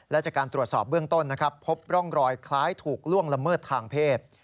และจากการตรวจสอบเบื้องต้นนะครับพบร่องรอยคล้ายถูกล่วงละเมิดทางเพศ